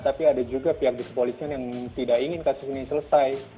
tapi ada juga pihak di kepolisian yang tidak ingin kasus ini selesai